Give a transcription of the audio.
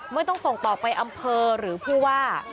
ไม่ต้องส่งต่อไปอำเภอหรือผู้ว่า